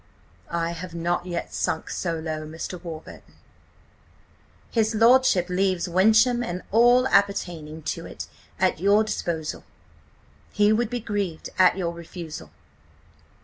"I have not yet sunk so low, Mr. Warburton." "His lordship leaves Wyncham and all appertaining to it at your disposal. He would be grieved at your refusal."